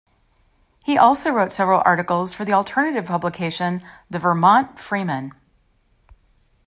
He also wrote several articles for the alternative publication "The Vermont Freeman".